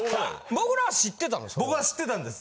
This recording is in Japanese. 僕は知ってたんです。